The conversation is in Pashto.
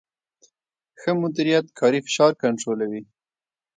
ښه مدیریت د کاري فشار کنټرولوي.